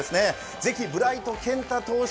ぜひ、ブライト健太選手